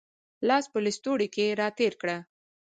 لاس په لستوڼي کې را تېر کړه